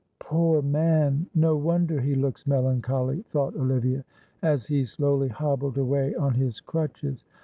"Poor man! No wonder he looks melancholy," thought Olivia, as he slowly hobbled away on his crutches.